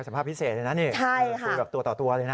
ภาพพิเศษเลยนะนี่คุยแบบตัวต่อตัวเลยนะ